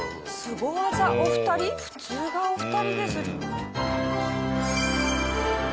スゴ技お二人普通がお二人です。